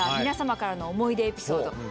皆様からの思い出エピソード。